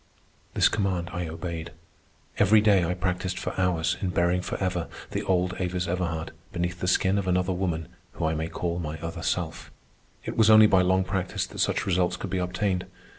This command I obeyed. Every day I practised for hours in burying forever the old Avis Everhard beneath the skin of another woman whom I may call my other self. It was only by long practice that such results could be obtained.